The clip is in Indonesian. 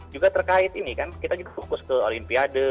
juga terkait ini kan kita juga fokus ke olimpiade